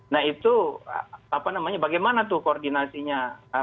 nah itu bagaimana tuh koordinasinya